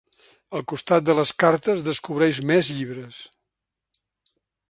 Al costat de les cartes descobreix més llibres.